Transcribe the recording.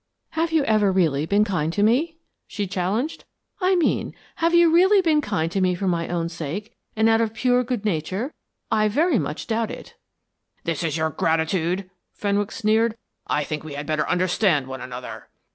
"Have you ever really been kind to me?" she challenged. "I mean, have you really been kind to me for my own sake, and out of pure good nature? I very much doubt it." "This is your gratitude," Fenwick sneered. "I think we had better understand one another."